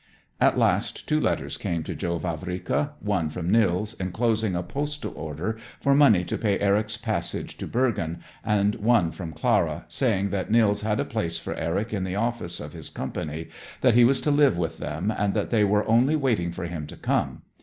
At last two letters came to Joe Vavrika: one from Nils, inclosing a postal order for money to pay Eric's passage to Bergen, and one from Clara, saying that Nils had a place for Eric in the offices of his company, that he was to live with them, and that they were only waiting for him to come.